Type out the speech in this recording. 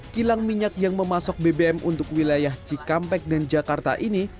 kilang minyak yang memasok bbm untuk wilayah cikampek dan jakarta ini